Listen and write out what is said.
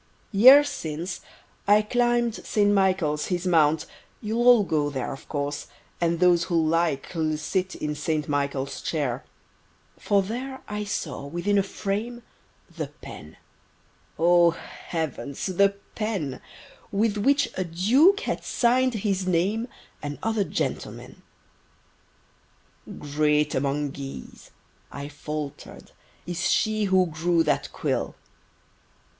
Years since, I climb'd Saint Michael His Mount:—you'll all go there Of course, and those who like'll Sit in Saint Michael's Chair: For there I saw, within a frame, The pen—O heavens! the pen— With which a Duke had sign'd his name, And other gentlemen. "Great among geese," I faltered, "Is she who grew that quill!"